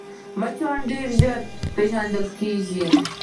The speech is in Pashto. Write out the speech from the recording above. مچان ډېر ژر پېژندل کېږي